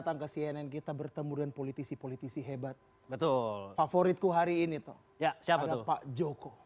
tangga cnn kita bertemu dengan politisi politisi hebat betul favoritku hari ini tuh ya ada pak joko